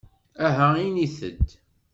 Aha init-d!